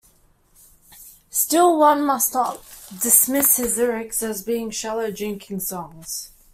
Still, one must not dismiss his lyrics as being shallow drinking songs.